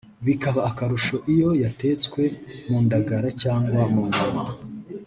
bikaba akarusho iyo yateswe mu ndagara cyangwa mu nyama